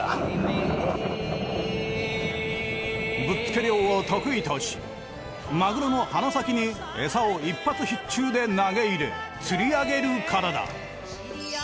ぶっつけ漁を得意としマグロの鼻先にエサを一発必中で投げ入れ釣りあげるからだ。